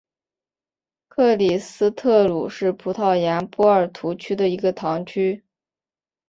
克里斯特卢是葡萄牙波尔图区的一个堂区。